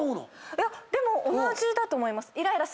いやでも同じだと思います。